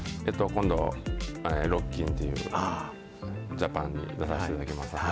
今度、ロッキンっていう、ジャパンに出させていただきます。